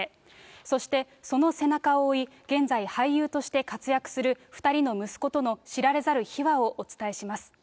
そして、その背中を追い、現在、俳優として活躍する２人の息子との知られざる秘話をお伝えします。